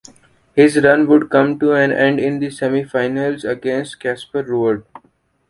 His run would come to an end in the semifinals against Casper Ruud.